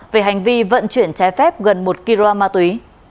về hành vi vận chuyển trái phép gần một kg ma túy